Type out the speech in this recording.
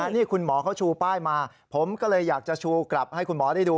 นี่คุณหมอเขาชูป้ายมาผมก็เลยอยากจะชูกลับให้คุณหมอได้ดู